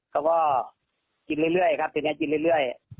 เขาก็กินเรื่อยครับทีนี้กินเรื่อย